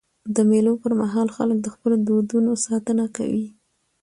د مېلو پر مهال خلک د خپلو دودونو ساتنه کوي.